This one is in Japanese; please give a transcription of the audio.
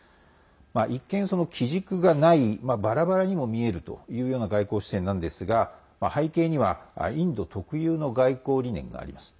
一見、基軸がないバラバラにも見えるという外交姿勢なんですが、背景にはインド特有の外交理念があります。